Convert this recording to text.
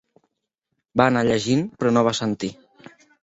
Va anar llegint, però no va sentir.